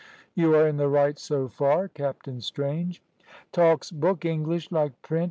"You are in the right so far, Captain Strange" "Talks book English like print.